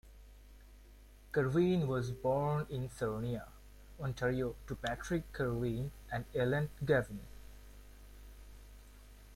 Kerwin was born in Sarnia, Ontario to Patrick Kerwin and Ellen Gavin.